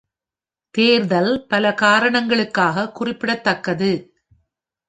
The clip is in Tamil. தேர்தல் பல காரணங்களுக்காக குறிப்பிடத்தக்கது.